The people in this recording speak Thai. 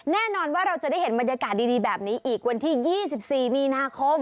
แน่นอนว่าเราจะได้เห็นบรรยากาศดีแบบนี้อีกวันที่๒๔มีนาคม